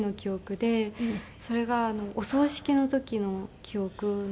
それがお葬式の時の記憶なんですよ。